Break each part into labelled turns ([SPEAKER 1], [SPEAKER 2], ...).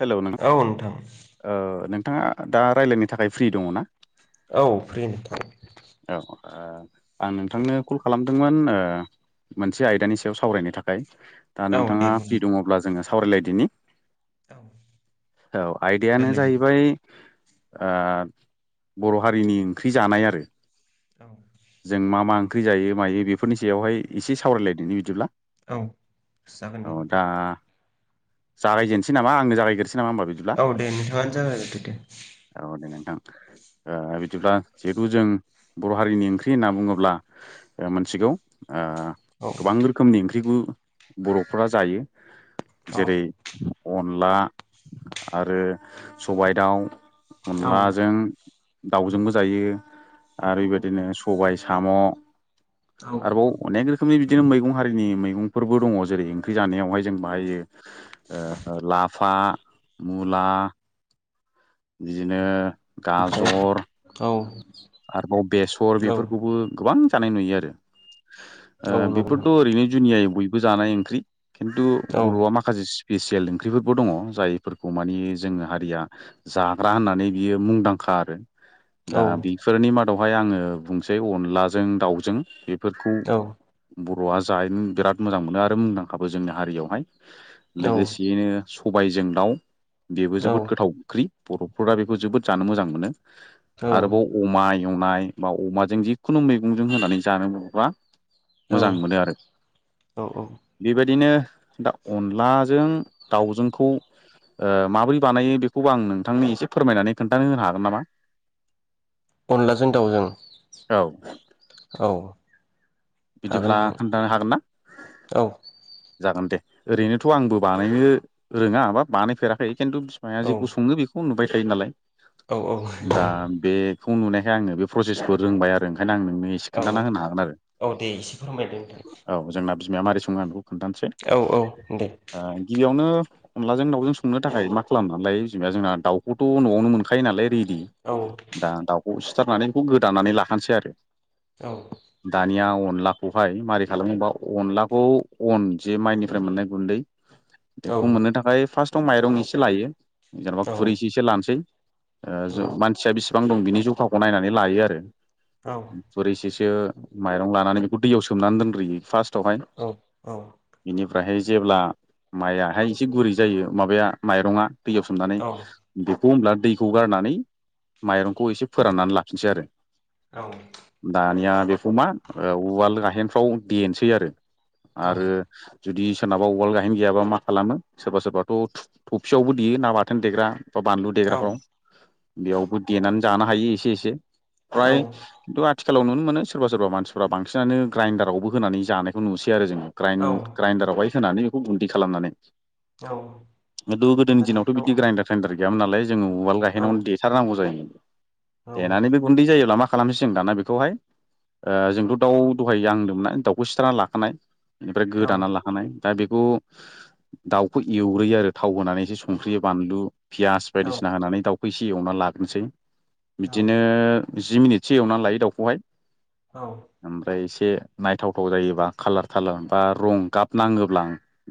[SPEAKER 1] Hello नोंथां ओ नोंथाङा दा रायलायनो थाखाय फ्रि दङ ना
[SPEAKER 2] औ फ्रि नोंथां।
[SPEAKER 1] औ ओ आं नोंथांनो कल खालामदोंमोन ओ मोनसे आयदानि सायाव सावरायनो थाखाय। दा
[SPEAKER 2] औ दे
[SPEAKER 1] नोंथाङा फ्रि
[SPEAKER 2] बुंलाय
[SPEAKER 1] दङब्ला जोङो सावरायलायदिनि।
[SPEAKER 2] औ
[SPEAKER 1] औ आयदायानो
[SPEAKER 2] रायलाय जागोन
[SPEAKER 1] जाहैबाय आ बर' हारिनि ओंख्रि जानाय आरो
[SPEAKER 2] [unintelligible]
[SPEAKER 1] जों मा मा ओंख्रि जायो मायो बेफोरनि सायावहाय एसे सावरायलायदिनि बिदिब्ला‌।
[SPEAKER 2] औ जागोन दे नोंथां।
[SPEAKER 1] जागायजेननोसै नामा आंनो जागायग्रोसै नामा होमबा बिदिब्ला।
[SPEAKER 2] औ दे नोंथाङानो जागायग्रोदो दे
[SPEAKER 1] औ दे नोंथां। ओ बिदिब्ला जिहेथु जों बर' हारिनि ओंख्रि ख्रि होनना बुङोब्ला ओ मोनथिगौ ओ
[SPEAKER 2] औ
[SPEAKER 1] गोबां रोखोमनि ओंख्रिखौ बर'फोरा जायो
[SPEAKER 2] औ
[SPEAKER 1] जेरै- अनला आरो सबाइ दाउ
[SPEAKER 2] औ
[SPEAKER 1] अनलाजों दाउजोंबो जायो आरो बेदिनो सबाय साम'
[SPEAKER 2] औ
[SPEAKER 1] आरोबाव अनेक रो खोमनि बिदिनो मैगं हारिनि मैगंफोरबो दङ जेरै ओंख्रि जानायावहाय जेनबा ओ ला फा मुला बिदिनो
[SPEAKER 2] ओमफ्राय
[SPEAKER 1] गाजर
[SPEAKER 2] औ
[SPEAKER 1] आरोबाव बेसर
[SPEAKER 2] औ
[SPEAKER 1] बेफोरखौबो गोबां जानाय नुयो आरो। ओ
[SPEAKER 2] नंगौ नोंथां औ
[SPEAKER 1] बेफोरथ' ओरैनो जुनियै बयबो जानाय ओंख्रि खिन्थु बर'आ माखासे सि पिसियेल ओंख्रिफोरबो दङ जायफोरखौ मानि जोंनि हारिया जाग्रा होननानै बियो मुंदांखा आरो। दा बि मादावहाय आङो बुंनोसै अनलाजों दाउजों बेफोरखौ ब र'आ जानो बिराद मोजां मोनो आरो मुंदांखाबो जोंनि हारियावहाय लोगोसेयैनो सबायजों दाउ बेबो जोबोद गोथाव ओंख्रि बर'फोरा बेखौ जोबोद जानो मोजां मोनो
[SPEAKER 2] औ
[SPEAKER 1] आरोबाव अमा एवनाय बा अमाजों जिखुनु मैगंजों होनानै जानो मोनोबा मोजां
[SPEAKER 2] औ
[SPEAKER 1] मोनो आरो
[SPEAKER 2] औ
[SPEAKER 1] बेबायदिनो दा अनलाजों दाउजोंखौ ओ माबोरै बानायो बेखौबो आं नोंथांनि इसे फोरमायनानै खोन्थानो होनो हागोन नामा?
[SPEAKER 2] अनलाजों दाउजों
[SPEAKER 1] औ
[SPEAKER 2] औ। हागोन
[SPEAKER 1] बिदिब्ला
[SPEAKER 2] नोंथां
[SPEAKER 1] खोन्थानो हागोन ना?
[SPEAKER 2] औ
[SPEAKER 1] जागोन दे ओरैनोथ' आंबो बानायनो रोङा बा बानायफेराखै। खिन्थु बिमाया
[SPEAKER 2] औ
[SPEAKER 1] जेखौ संङो बेखौ नुबाय थायो नालाय
[SPEAKER 2] औ औ
[SPEAKER 1] दा बे खौ नुनायखाय आंनो बे चु एथ रोंबाय आरो ओं खायनो आं नोंनो एसे
[SPEAKER 2] औ
[SPEAKER 1] खोनन्थाना होनो हागोन आरो
[SPEAKER 2] औ दे एसे फोरमायदो नोंथां
[SPEAKER 1] औ जोंना बिमाया माबारै सङो आं बेखौ खोन्थानोसै
[SPEAKER 2] औ औ दे
[SPEAKER 1] ओ गिबियावनो अनलाजों दाउजों संनो थाखाय मा खालामना लायो जेनेबा जोंना दाउखौथ' न'आवनो मोनखायो नालाय रि दि
[SPEAKER 2] औ
[SPEAKER 1] दा दाउखौ सिथारनानै बेखौ गोदाननानै लाखानोसै आरो।
[SPEAKER 2] औ
[SPEAKER 1] दानिया अनलाखौहाय मारै खालामोबा अनलाखौ अन जे माइनिफ्राय मोननाय गुन्दै बेखौ मोननो
[SPEAKER 2] औ
[SPEAKER 1] थाखाय फार्स्टआव माइरं एसे लायो। जेन'बा
[SPEAKER 2] औ
[SPEAKER 1] खुरैसे इसे लानोसै ओ
[SPEAKER 2] औ
[SPEAKER 1] ज' मानसिया बेसे बां दं बिनि जखाखौ नायनानै लायो आरो खुरैसेसो माइरं लानानै बेखौ दैयाव सोमनानै दोनग्रोयो फार्स्टआवहाय
[SPEAKER 2] औ।
[SPEAKER 1] इनिफ्रायहाय जेब्ला माइआहाय एसे गुरै जायो माबाया माइरंङा दैयाव सोमनानै होमब्ला दैखौ गारनानै माइरंखौ एसे फोराननानै लाखिनोसै आरो। दानिया बेखौ मा ओ उवाल गाहेनफ्राव देनोसै आरो। आरो जुदि सोरनाबा उवाल गाहेन गैयाबा मा खालामो सोरबा सोरबाथ' थु थफियावबो देयो ना बाथोन देग्रा बानलु देग्राफ्राव बेयावबो देनानै जानो हायो एसे एसे प्राय [unintelligible] आथिखालाव नुनो मोनो सोरबा सोरबा मानसिफ्रा बांसिनानो ग्राइन्डारावबो होनानै जानायखौ नुसै आरो जोङो। ग्राइण्ड ग्राइन्डारावहाय होनानै बेखौ गुन्दै खालामनानै। खिन्थु गोदोनि दिनावथ' बिदि ग्राइन्डार साइन्डार गैयामोन नालाय। जोंङो उवाल गाहेनावनो देथारनांगौ जायोमोन। देनानैबो गुन्दै जायोब्ला मा खालामनोसै जों दाना बेखौहाय ओ जोंथ' दाउ दहाय आं होनदोंमोन ना दाउखौ सिथारना लाखानाय। बेनिफ्राय गोदाना लाखानाय। दा बेखौ दाउखौ एवग्रोयो आरो थाव होनानै एसे संख्रि बानलु पियास बायदिसिना होनानै दाउखौ एसे एवना लाग्रोनोसै बिदिनो जि मिनिटसो एवनानै लायो दाउखौहाय ओमफ्राय एसे नायथावथाव जायोबा खालार थालार बा रं गाब नाङोब्लां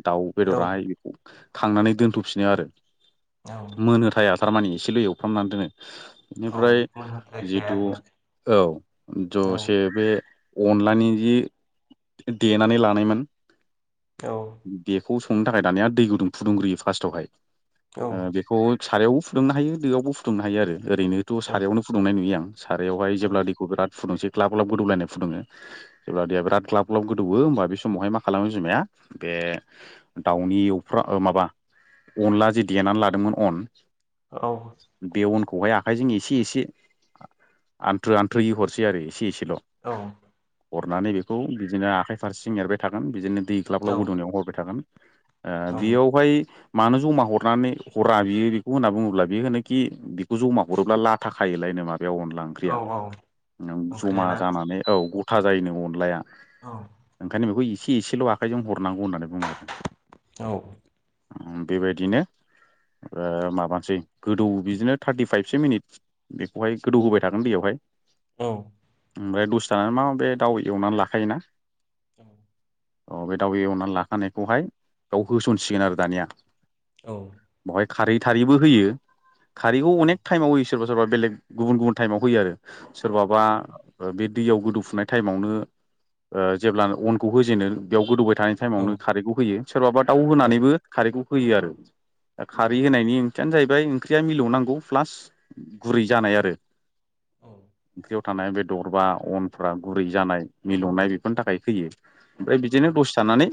[SPEAKER 1] दाउ बेदराहाय बेखौ खांनानै दोनथफिनो आरो मोनो थाया थारमानि एसेलै एवफ्रामनानै दोनो। बेनिफ्राय जिथु औ दसे बे अनलानि जि देनानै लानायमोन
[SPEAKER 2] औ
[SPEAKER 1] बेखौ संनो थाखाय दानिया दै गुदुं फुदुंग्रोयो फार्स्टआवहाय बेखौ सारायावबो फुदुंनो हायो दोआवबो फुदुंनो हायो आरो ओरैनोथ सारायावनो फुदुंनाय नुयो आं। सारायावहाय जेब्ला दि दैखौ बिराद फुदुंसै ग्लाब ग्लाब गोदौलायनाय फुदुङो जेब्ला दिया बिराद ग्लाब ग्लब गोदौवो होमबा बे समावहाय मा खालामो बिमाया बे दाउनि एवफ्रा ओ माबा अनला जि देनानै लादोंमोन अन
[SPEAKER 2] औ
[SPEAKER 1] खौहाय आखाइजों इसे इसे आनथ्रो आनथ्रोयै हरसै आरो इसे इसेल।
[SPEAKER 2] औ
[SPEAKER 1] हरनानै बेखौ बिदिनो आखाइ फारसेजों एरबाय थागोन बिदिनो दै ग्लाब ग्लाब गोदौनायाव हरबाय थागोन बेयावहाय मानो जमा हरनानै हरा बियो बेखौ होनना बुङोब्ला बे होनोखि बि खौ जमा हरोब्ला लाथाखायोलायनो माबाया अनला ओंख्रिया जमा जानानै औ ग था जायोनो अनलाया ओंखायनो बेखौ इसे इसेल आखाइजों हद हरनांगौ होननानै बुङो आरो बेबायदिनो ओमफ्राय माबानोसै गोदौ बिदिनो थार्टिफाइभसो मिनिट बेखौहाय गोदौ होबाय थागोन दैयावहाय
[SPEAKER 2] औ
[SPEAKER 1] ओमफाय दसे थानानै मा बे दाउ एवनानै लाखायोना
[SPEAKER 2] औ
[SPEAKER 1] अ बे दाउ एवनानै लाखानायखौहाय बेयाव होसनसिगोन आरो दानिया
[SPEAKER 2] औ
[SPEAKER 1] बेवहाय खारै थारैबो होयो खारैखौ अनेक टाइमाव होयो सोरबा सोरबा बेलेग गुबुन गुबुन टाइमाव होयो आरो सोरबाबा बे दैयाव गोदौफुनाय टाइमावनो जेब्ला अनखौ होजेनो बेयाव गोदौबाय थानाय टाइमावनो खारैखौ होयो सोरबाबा दाउ होनानैबो खारैखौ होयो आरो दा खारै होनायनि ओंथियानो जाहै ओमफ्राय ओंख्रिया मिलौनांगौ प्लास गुरै जानाय आरो ओंख्रियाव थानाय बे दरबा अनफ्रा गुरै जानाय मिलौनाय बेफोरनि थाखाय होयो ओमफ्राय बिदिनो दसे थानानै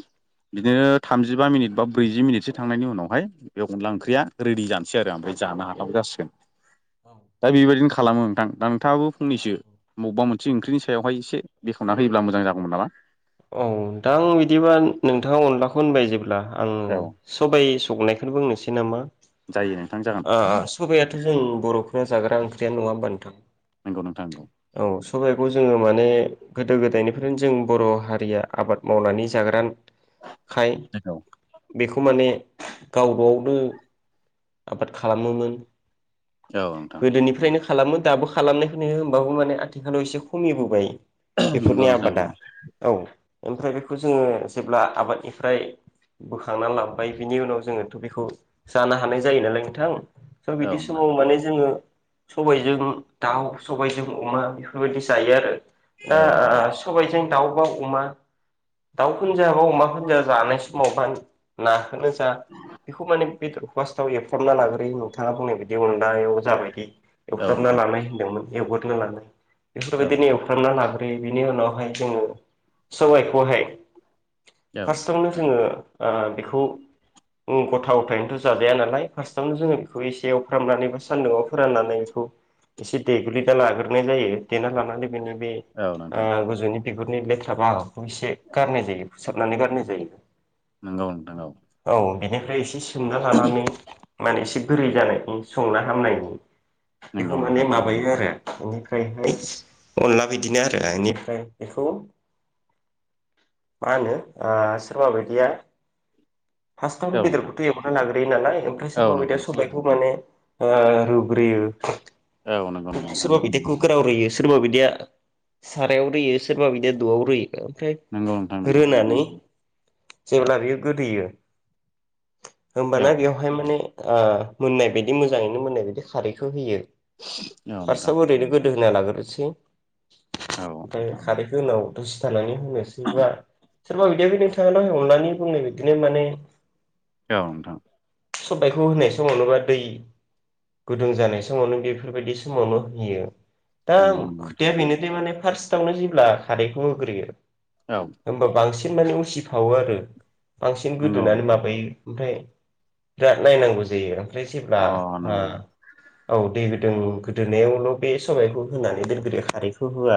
[SPEAKER 1] बिदिनो थामजिबा मिनिट बा ब्रैजि मिनिटसो थांनायनि उनावहाय बे अनला ओंख्रिया रेडि जानोसै आरो ओमफ्राय जा जानो हाथाव जासिगोन दा बे बादिनो‌ खा खालामो नोंथां दा नोंथाङाबो फंनैसो मबबा मोनसे ओंख्रिनि सायावहाय एसे बेखा वना होयोब्ला मोजां जागौमोन नामा।
[SPEAKER 2] औ दा आं बिदिबा नोंथाङा अनलाखौ होनबाय जेब्ला आं
[SPEAKER 1] औ
[SPEAKER 2] सबाय सौनाय खौनो बुंनोसै नामा
[SPEAKER 1] जायो नोंथां जागोन
[SPEAKER 2] ओ ओ सबाइआथ जों बर'फोरा जाग्रा ओंख नङा होम्बा नोंथां
[SPEAKER 1] नंगौ नोंथां नंगौ
[SPEAKER 2] औ सबाइखौ जोङो माने गोद गोदो गोदायनिफ्रायनो जों बर हारिया आबाद मावनानै जाग्रा। खाय
[SPEAKER 1] नंगौ
[SPEAKER 2] बेखौ खौ माने गावगानो आबाद खालामोमोन।
[SPEAKER 1] औ नोंथां
[SPEAKER 2] गोदोनिफ्रायनो खालामो दाबो खालामनायखौ नुयो होमबाबो माने आथिखालाव एसे खमिबोबाय
[SPEAKER 1] नोंगौ
[SPEAKER 2] बेफोरनि
[SPEAKER 1] नोंथा
[SPEAKER 2] आबादा
[SPEAKER 1] नोंथौ।
[SPEAKER 2] औ ओमफ्राय बेखौ जोङो जेब्ला आबादनिफ्राय बोखांना लाबोबाय बिनि उनाव जोङोथ बेखौ जानो हानाय जायो नालाय नोंथां स'
[SPEAKER 1] औ
[SPEAKER 2] बिदि
[SPEAKER 1] नोंथां
[SPEAKER 2] समाव माने जोङो सबायजों दाउ सबायजों। अमा बेफोरबायदि जायो आरो दा
[SPEAKER 1] औ नंगौ
[SPEAKER 2] सबायजों दाउ बा अमा दाउखौनो जा बा अमा खौनो जा जानाय समाव ना खोनो बेखौ माने बेदरखौ फास्तावआव एवफ्रामना लाग्रोयो नोंथांङा बुंनाय बायदि बि अनलायाव जाबायदि
[SPEAKER 1] औ
[SPEAKER 2] एवथाबना
[SPEAKER 1] नोंथां
[SPEAKER 2] लानाय होनदोंमोन एवगोरना लानाय। बेफोरबायदिनो एवफ्रामना लाग्रोयो बेनि उनावहाय जोङो सबायखौहाय फार्स्टआवनो जोङो ओ बेखौ गथा गथायनोथ' जाजाया नालाय फार्स्टआवनो जोङो बेखौ एसे एवफ्रामनानै बा सान्दुंआव फोराननानै बेखौ एसे देग्लि दा लाग्रोनाय जायो देना लानानै नि बे
[SPEAKER 1] औ नोंथां औ नोंथां औ नोंथां
[SPEAKER 2] गोजौनि बिगुरनि लेथ्रा बाहागोखौ एसे गारनाय जायो। फोसाबनानै गारनाय जायो।
[SPEAKER 1] नंगौ नोंथां औ।
[SPEAKER 2] ओमफ्राय एसे सोमना लानानै माने एसे गुरै जानायनि संनो हामनायनि
[SPEAKER 1] औ नंगौ नोंथां
[SPEAKER 2] बेखौ माने
[SPEAKER 1] औ नोंथां औ
[SPEAKER 2] माबायो आरो बेनिफ्रायहाय अनला बिदिनो आरो बेनिफ्राय बेखौ मा होनो ओ सोरबा बायदिया।
[SPEAKER 1] नोंथां औ
[SPEAKER 2] फार्स्टाव
[SPEAKER 1] नंगौ
[SPEAKER 2] बेदरखौथ' एवरना लाग्रोयो नालाय ओमफ्राय सोरबा
[SPEAKER 1] नंगौ
[SPEAKER 2] बायदिया सबाइखौ माने रुग्रोयो।
[SPEAKER 1] औ नंगौ नंगौ नोंथां
[SPEAKER 2] सोरबा बायदिया कुकाराव रुयो सोरबा बिदिया सारायाव रुयो सोरबा बिदिया द'आव रुयो ओमफ्राय
[SPEAKER 1] नोंथां नंगौ
[SPEAKER 2] रुनानै जेब्ला बेयो गोदैयो
[SPEAKER 1] औ
[SPEAKER 2] होमबाना बेवहाय माने ओ मोननाय बायदि मोजाङैनो मोननाय बायदि खारैखौ होयो।
[SPEAKER 1] औ नोंथां।
[SPEAKER 2] फार्स्टआव ओरैनो गोदो होना लागोरनोसै
[SPEAKER 1] औ
[SPEAKER 2] ओमफ्राय
[SPEAKER 1] नोंथां औ
[SPEAKER 2] खारैखौ उनाव दसे थानानै हो बुंनोसैबा सोरबा बिदि बे नोंथाङाल' हमनानै बुंनाय बदिनो माने
[SPEAKER 1] औ नोंथां।
[SPEAKER 2] सबायखौ होनाय समावनो बा दै गुदुं जानाय समावनो बेफोरबायदि समावनो इयो दा
[SPEAKER 1] नंगौ नंगौ नोंथां
[SPEAKER 2] खोथाया बेनोदि माने फार्स्टावनो जेब्ला खारैखौ होग्रोयो
[SPEAKER 1] औ
[SPEAKER 2] होमबा बांसिन माने उसिफावो आरो बांसिन
[SPEAKER 1] नंगौ
[SPEAKER 2] गोदोनानै
[SPEAKER 1] नोंथां
[SPEAKER 2] माबायो ओमफ्राय बिराद नायनांगौ जायो ओमफ्राय जेब्ला
[SPEAKER 1] अ नंगौ
[SPEAKER 2] औ दै। गोदोनायावल' बे सबायखौ होनानै दोनग्रोयो खारैखौ होआ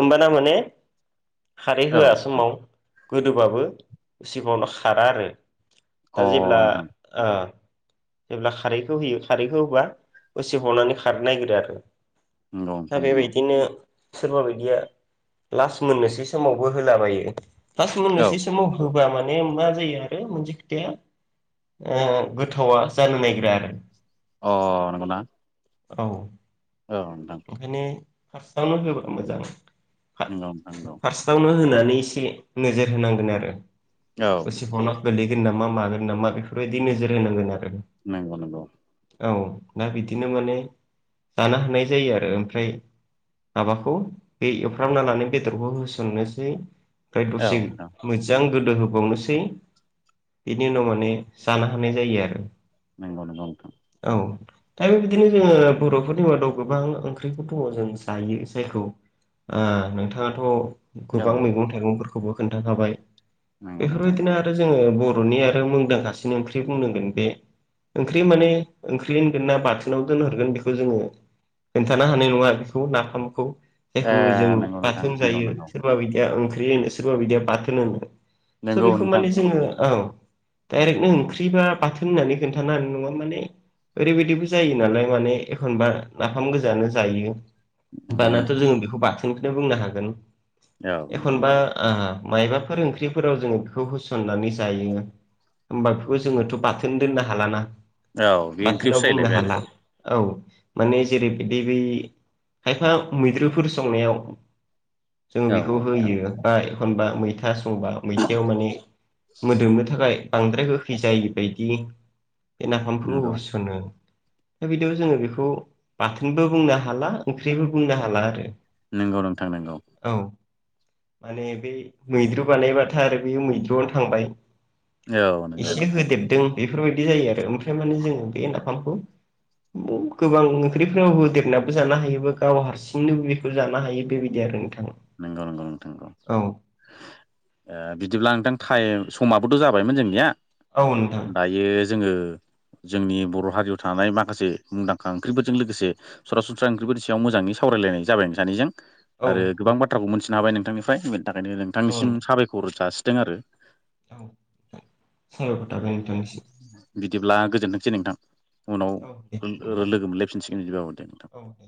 [SPEAKER 2] होमबा माने खारै होआ समाव। गोदोबाबो सिगाङावनो खारा आरो
[SPEAKER 1] औ नोंथां अ
[SPEAKER 2] दा जेब्ला
[SPEAKER 1] नोंथां
[SPEAKER 2] जेब्ला खारैखौ होयो खारैखौ होबा उसिफावनानै खारनो नागिरो आरो।
[SPEAKER 1] नंगौ नोंथां
[SPEAKER 2] दा
[SPEAKER 1] नंगौ
[SPEAKER 2] बेबायदिनो सोरबा बायदिया लास्ट मोननोसै समावबो होलाबायो लास्ट
[SPEAKER 1] औ
[SPEAKER 2] मोननोसै समाव होबा माने। माने मा जायो आरो मोनसे खोथाया ओ गोथावा जानो नागिरा आरो
[SPEAKER 1] अ नंगौ ना?
[SPEAKER 2] औ
[SPEAKER 1] औ नोंथां
[SPEAKER 2] पास्तयावनो होयोबा मोजां
[SPEAKER 1] नंगौ नोंथां नंगौ
[SPEAKER 2] फार्स्टआवनो होनानै एसे नोजोर होनांगोन आरो।
[SPEAKER 1] औ
[SPEAKER 2] मा मागोन नामा बेफोरबायदि नोजोर होनांगोन आरो।
[SPEAKER 1] नंगौ नंगौ।
[SPEAKER 2] औ दा बिदिनो माने जानो हानाय जायो आरो ओमफ्राय। माबाखौ बे एव ना लाना बेदरखौ होसननोसै ओमफ्राय
[SPEAKER 1] औ
[SPEAKER 2] दसे
[SPEAKER 1] नोंथां
[SPEAKER 2] मोजां गोदो होबावनोसै बिनि उनाव माने जानो हानाय जायो आरो।
[SPEAKER 1] नंगौ नंगौ नोंथां।
[SPEAKER 2] औ दा बेबायदिनो जोङो बरफोरनि मादाव गोबां ओंख्रिफोर दङ जों जायो जायखौ ओ नोंथाङा थ
[SPEAKER 1] औ
[SPEAKER 2] गोबां
[SPEAKER 1] नोंथां
[SPEAKER 2] मैगं थाइगंफोरखौबो खोन्थाखाबाय
[SPEAKER 1] नंगौ नोंथां
[SPEAKER 2] बेफोरबायदिनो आरो जोङो बरनि आरो मुंदांखासिन ओंख्रि बुंनांगोन बे ओंख्रि माने ओंख्रि होनगोन ना बाथोनाव दोनहरगोन बेखौ जोङो खोन्थानो हानाय नङा बेखौ नाफामखौ।
[SPEAKER 1] ए
[SPEAKER 2] [unintelligible] जों
[SPEAKER 1] नंगौ नोंथां
[SPEAKER 2] बाथोन
[SPEAKER 1] नंगौ
[SPEAKER 2] जायो
[SPEAKER 1] नंगौ
[SPEAKER 2] सोरबा बायदिया ओं ख्रि होनो सोरबा बिदिया बाथोन होनो स
[SPEAKER 1] नंगौ
[SPEAKER 2] बेखौ
[SPEAKER 1] नोंथां
[SPEAKER 2] माने जोङो औ डायरेक्टनो ओंख्रिबा बाथोन होननानै खोन्थानो हानाय नङा माने ओरैबायदिबो जायो नालाय माने एखनबा नाफाम गोजानो जायो।
[SPEAKER 1] नंगौ
[SPEAKER 2] बानाथ
[SPEAKER 1] नंगौ
[SPEAKER 2] जोङो बेखौ बाथोनखोनो बुंनो हागोन
[SPEAKER 1] औ नंगौ
[SPEAKER 2] एखनबा
[SPEAKER 1] नोंथां
[SPEAKER 2] आ मायबाफोर ओंख्रिफोराव जोङो बेखौ होसननानै जायो। होमबा बेखौ जोङोथ बाथोन दोननो हालाना
[SPEAKER 1] औ बे
[SPEAKER 2] बाथोनाव
[SPEAKER 1] ओंख्रियावसो
[SPEAKER 2] बुंनो
[SPEAKER 1] जाहैलायबाय आरो
[SPEAKER 2] हाला। औ माने जेरैबायदि बै खायफा मैद्रुफोर स संनायाव जों
[SPEAKER 1] औ
[SPEAKER 2] बेखौ
[SPEAKER 1] औ नोंथां
[SPEAKER 2] होयो बा एखनबा मैथा स बा मैथायाव माने मोदोमनो थाखाय बांद्राय होखैजायैबायदि बे नाफामफोरखौ
[SPEAKER 1] नंगौ
[SPEAKER 2] हरसनो दा बिदियाव जोङो बेखौ बाथोनबो बुंनो हाला ओंख्रिबो बुंनो हाला आरो
[SPEAKER 1] नोंगौ नोंथां नोंगौ।
[SPEAKER 2] औ माने बे मैद्रु बानायबाथाय आरो बे मैद्रुआव थांबाय।
[SPEAKER 1] औ नंगौ
[SPEAKER 2] एसे
[SPEAKER 1] नोंथां।
[SPEAKER 2] होदेरदों बेफोरबायदि जायो आरो ओमफ्राय माने जोङो बे नाफामखौ [unintelligible] गोबां ओंख्रिफोराव होदेरनाबो जानो हायोब गाव हारसिंनो बेबायदिबो बो जानो हायो बेबायदि आरो नोंथां
[SPEAKER 1] नंगौ नंगौ नोंथां ओ
[SPEAKER 2] औ
[SPEAKER 1] बिदिब्ला नोंथां टाइम स खमाबोथ जाबायमोन जोंनिया
[SPEAKER 2] औ नोंथां
[SPEAKER 1] दायो जोङो जोंनि बर हारियाव थानाय माखासे मुंदांखा ओंख्रिफोरजों लोगोसे सरासनस्रा ओंख्रिफोरसेयाव मोजां नि सावरायलायनाय जाबा नैसानिजों
[SPEAKER 2] औ नोंथां।
[SPEAKER 1] [unintelligible] मोनथिनो हाबाय नोंथांनिफ्राय बेनि थाखायनो नोंथांनिसिम साबायखर जासिदों आरो
[SPEAKER 2] औ औ साबायखर थाबाय नोंथांनिसिम।
[SPEAKER 1] बिदिब्ला गोजोनथोंसै नोंथां। उनाव
[SPEAKER 2] औ दे होमबा
[SPEAKER 1] लो ओ लोगो मोनलायफिनसिगोन बिदिबाब अ दे नोंथां।
[SPEAKER 2] औ दे